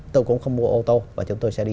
tôi cũng không mua ô tô và chúng tôi sẽ đi